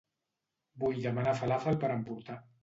Vull demanar falàfel per emportar.